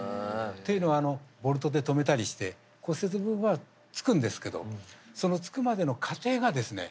っていうのはあのボルトで留めたりして骨折部分はつくんですけどそのつくまでの過程がですね